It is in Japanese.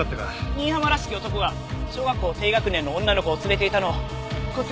新浜らしき男が小学校低学年の女の子を連れていたのをこちらの方が。